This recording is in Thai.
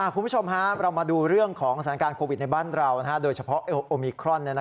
คุณผู้ชมเรามาดูเรื่องของสถานการณ์โควิดในบ้านเราโดยเฉพาะโอมิครอน